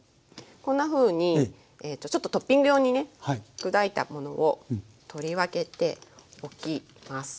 こんなふうにちょっとトッピング用にね砕いたものを取り分けておきます。